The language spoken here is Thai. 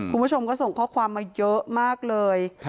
คุณผู้ชมก็ส่งข้อความมาเยอะมากเลย